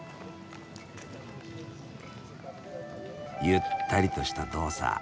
ゆったりとした動作。